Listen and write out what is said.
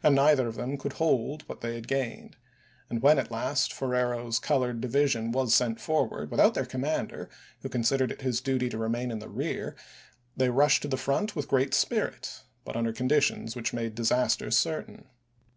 and neither of them could hold what they had gained ; and when at last Ferrero's colored division July 30, was sent forward without their commander, who 186± considered it his duty to remain in the rear, they rushed to the front with great spirit, but under conditions which made disaster certain.